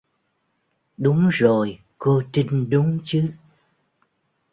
Đúng rồi cô trinh đúng chứ